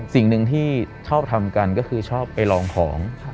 สิ่งหนึ่งที่ชอบทำกันก็คือชอบไปลองของ